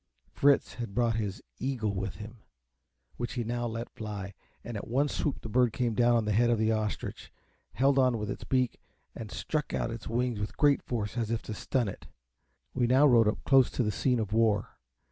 Fritz had brought his Ea gle with him, which he now let fly. At one swoop the bird came down on the head of the Os trich, held on with its beak, and struck out its wings with great force, as if to stun it. We now rode up close to the scene of war.